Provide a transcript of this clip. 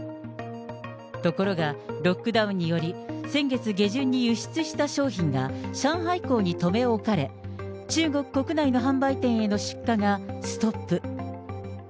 ところが、ロックダウンにより先月下旬に輸出した商品が上海港に留め置かれ、中国国内の販売店への出荷がストップ。